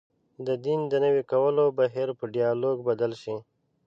د دین د نوي کولو بهیر په ډیالوګ بدل شي.